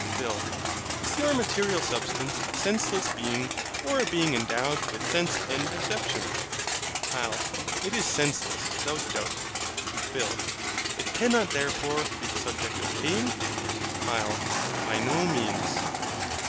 PHIL. Is your material substance a senseless being, or a being endowed with sense and perception? HYL. It is senseless without doubt. PHIL. It cannot therefore be the subject of pain? HYL. By no means.